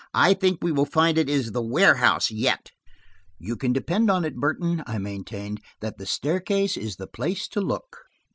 I think we will find it is the warehouse, yet." "You can depend on it, Burton," I maintained, "that the staircase is the place to look.